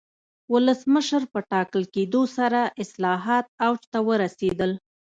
ولسمشر په ټاکل کېدو سره اصلاحات اوج ته ورسېدل.